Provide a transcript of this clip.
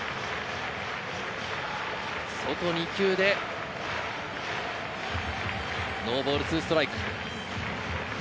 外２球でノーボール２ストライク。